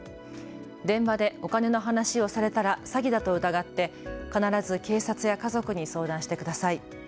電話でお金の話をされたら詐欺だと疑って必ず警察や家族に相談してください。